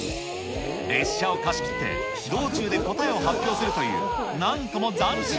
列車を貸し切って道中で答えを発表するという、なんとも斬新